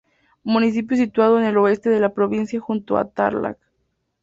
Municipio situado en el oeste de la provincia junto a a Tarlac.